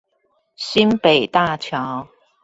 新北大橋